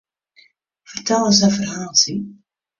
Fertel ris in ferhaaltsje?